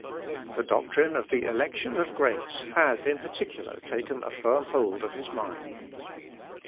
The doctrine of the election of grace had, in particular, taken a firm hold of his mind.